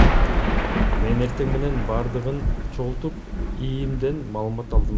Мен эртең менен бардыгын чогултуп, ИИМден маалымат алдым.